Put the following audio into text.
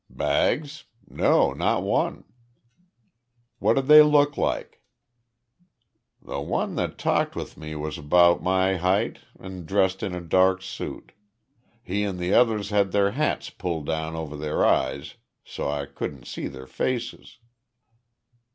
"Bags? No, not one." "What did they look like?" "The one that talked with me was 'bout my heig't an' dressed in a dark suit. He an' th' others had their hats pulled down over their eyes, so's I couldn't see their faces."